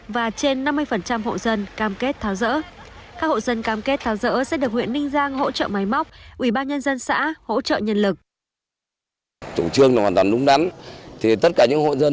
và trên năm mươi hộ dân cam kết tháo rỡ